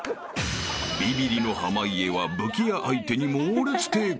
［ビビりの濱家は武器屋相手に猛烈抵抗］